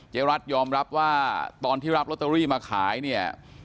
เจ้ารัฐยอมรับว่าตอนที่รับโรตเตอรี่มาขาย